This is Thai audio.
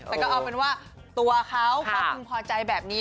แต่ก็เอาเป็นว่าตัวเขาเขาพึงพอใจแบบนี้